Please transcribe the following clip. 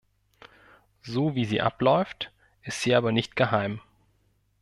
So wie sie abläuft, ist sie aber nicht geheim.